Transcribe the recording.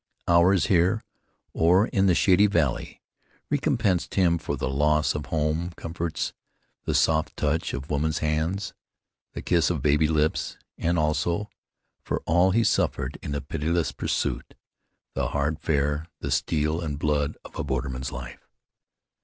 Hours here, or in the shady valley, recompensed him for the loss of home comforts, the soft touch of woman's hands, the kiss of baby lips, and also for all he suffered in his pitiless pursuits, the hard fare, the steel and blood of a borderman's life.